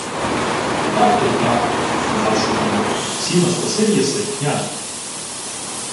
— А так — то й так, — сказав Шумило. — Сіно скосив єси, княже?